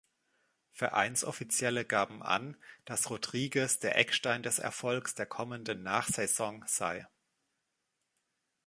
Vereinsoffizielle gaben an, dass Rodriguez der Eckstein des Erfolgs der kommenden Nachsaison sei.